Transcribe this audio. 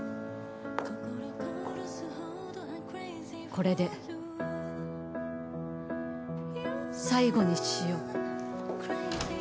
これで最後にしよう。